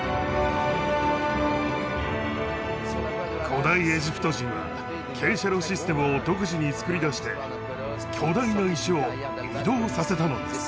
古代エジプト人は傾斜路システムを独自に作り出して巨大な石を移動させたのです。